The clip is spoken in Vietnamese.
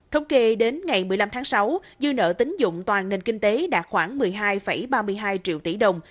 thống kê đến ngày một mươi năm tháng sáu dư nợ tính dụng toàn nền kinh tế đạt khoảng một mươi hai ba mươi hai triệu tỷ đồng